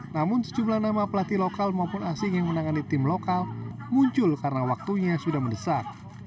namun sejumlah nama pelatih lokal maupun asing yang menangani tim lokal muncul karena waktunya sudah mendesak